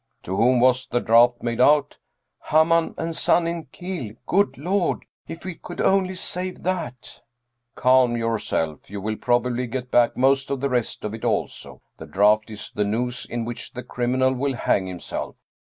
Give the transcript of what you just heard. " To whom was the draft made out ?"" Hamann & Son in Kiel good Lord ! if we could only save that !"" Calm yourself, you will probably get back most of the rest of it also. The draft is the noose in which the criminal will hang himself."